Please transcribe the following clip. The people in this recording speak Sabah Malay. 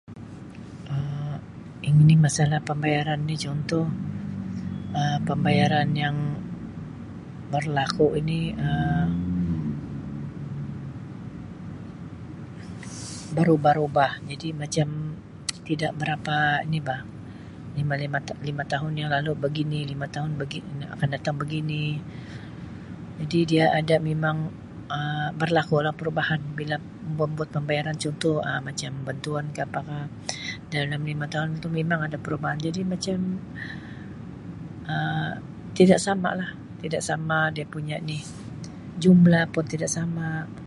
Um Yang ini masalah pembayaran ni contoh Um pembayaran yang berlaku ini Um barubah rubah jadi macam tidak berapa ini bah lima lima tahu lima tahun yang lalu begini lima tahun lalu begi akan datang begini jadi dia ada memang Um berlaku lah perubahan bila membuat pembayaran contoh Um macam bantuan kah apakah dalam lima taun itu memang ada perubahan jadi macam Um tidak sama lah tidak sama dia punya ni jumlah pun tidak sama.